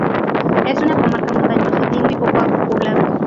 Es una comarca montañosa y muy poco poblada.